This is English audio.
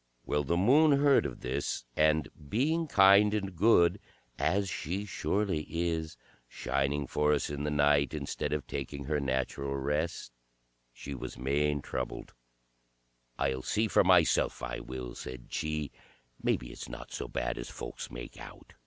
Well, the Moon heard of this, and being kind and good as she surely is, shining for us in the night instead of taking her natural rest she was main troubled. "I'll see for myself, I will," said she, "maybe it's not so bad as folks make out."